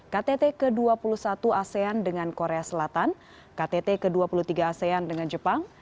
ktt ke dua puluh satu asean dengan korea selatan ktt ke dua puluh tiga asean dengan jepang